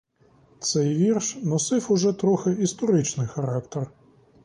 Цей вірш носив уже трохи історичний характер.